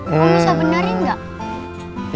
om bisa benerin nggak